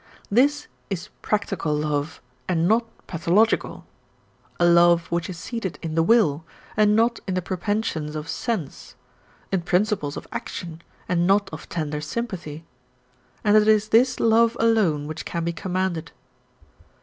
This is practical love and not pathological a love which is seated in the will, and not in the propensions of sense in principles of action and not of tender sympathy; and it is this love alone which can be commanded.